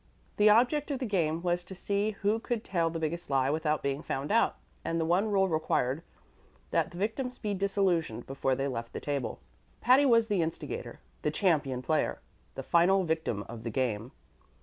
The object of the game was to see who could tell the biggest lie without being found out; and the one rule required that the victims be disillusionized before they left the table. Patty was the instigator, the champion player, and the final victim of the game.